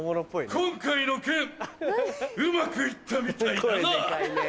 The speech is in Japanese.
今回の件うまく行ったみたいだな！